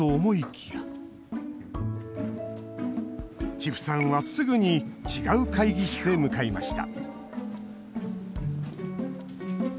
千布さんは、すぐに違う会議室へ向かいました